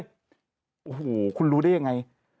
โอ้โหคุณรู้ได้ยังไง